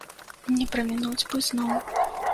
Не прамінуць бы зноў.